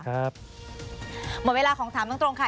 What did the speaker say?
หมดเวลาของถามตรงค่ะ